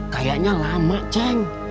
kayaknya lama ceng